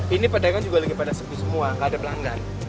ini padangnya juga lagi pada sebuah nggak ada pelanggan